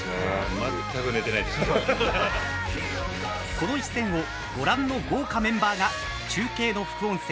この一戦をご覧の豪華メンバーが中継の副音声